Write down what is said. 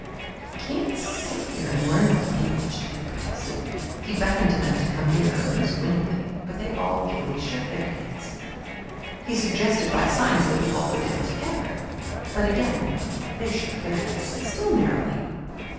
"We can't sit here and learn the language," Terry protested. He beckoned to them to come nearer, most winningly but they gaily shook their heads. He suggested, by signs, that we all go down together; but again they shook their heads, still merrily.